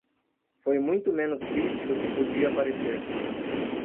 foi muito menos triste do que podia parecer